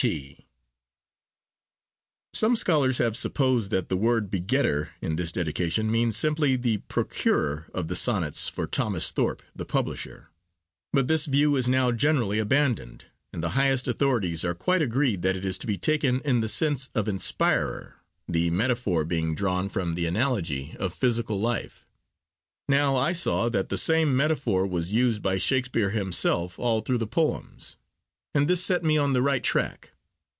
T. T. Some scholars have supposed that the word 'begetter' in this dedication means simply the procurer of the Sonnets for Thomas Thorpe the publisher; but this view is now generally abandoned, and the highest authorities are quite agreed that it is to be taken in the sense of inspirer, the metaphor being drawn from the analogy of physical life. Now I saw that the same metaphor was used by Shakespeare himself all through the poems, and this set me on the right track.